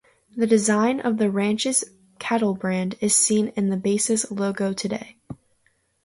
The design of the ranch's cattle brand is seen in the base's logo today.